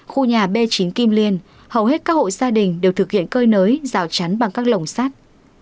khu nhà b chín kim liên hầu hết các hộ gia đình đều thực hiện cơi nới rào chắn bằng các lồng sắt